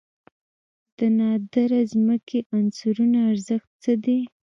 د نادره ځمکنۍ عناصرو ارزښت څه دی؟